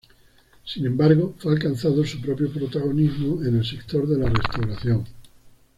Sin embargo, fue alcanzando su propio protagonismo en el sector de la restauración.